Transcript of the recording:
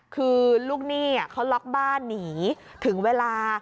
คือลูกหนี้เขาล็อกบ้านหนีถึงเวลา